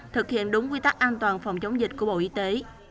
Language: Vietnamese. thực hiện đúng quy tắc an toàn phòng chống dịch của bộ y tế